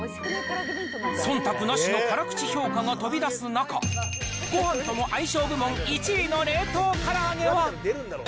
そんたくなしの辛口評価が飛び出す中、ごはんとの相性部門１位の冷凍から揚げは。